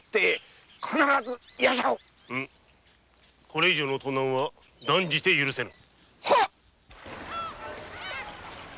これ以上の盗難は断じて許せぬ。